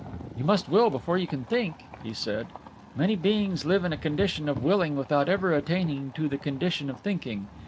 "You must will before you can think," he said. "Many beings live in a condition of Willing without ever attaining to the condition of Thinking.